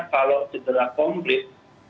kalau cedera komplit